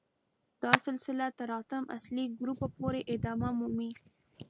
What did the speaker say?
دا سلسله تر اتم اصلي ګروپ پورې ادامه مومي.